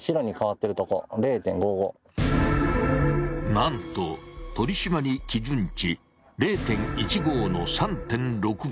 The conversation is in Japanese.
なんと取り締まり基準値０．１５の３．６倍